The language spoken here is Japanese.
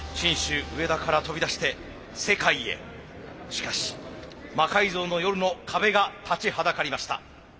しかし「魔改造の夜」の壁が立ちはだかりました。